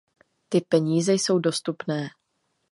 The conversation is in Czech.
Ty peníze jsou dostupné.